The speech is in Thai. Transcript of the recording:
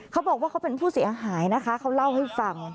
เขาบอกว่าเขาเป็นผู้เสียหายนะคะเขาเล่าให้ฟัง